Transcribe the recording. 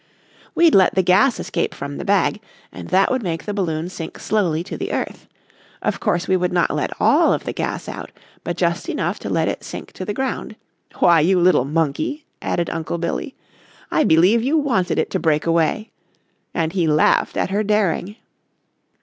"We'd let the gas escape from the bag, and that would make the balloon sink slowly to the earth. Of course we would not let all of the gas out, but just enough to let it sink to the ground. Why, you little monkey," added Uncle Billy, "I believe you wanted it to break away," and he laughed at her daring.